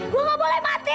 gue nggak boleh mati